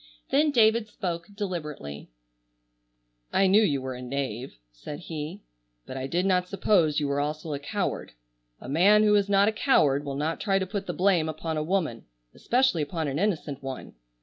Then David spoke deliberately: "I knew you were a knave," said he, "but I did not suppose you were also a coward. A man who is not a coward will not try to put the blame upon a woman, especially upon an innocent one.